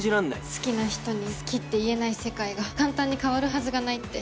好きな人に好きって言えない世界が簡単に変わるはずがないって。